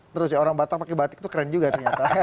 terus ya orang batang pakai batik tuh keren juga ternyata